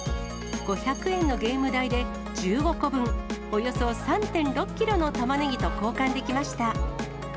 ５００円のゲーム代で、１５個分、およそ３．６キロのたまねぎと交換できました。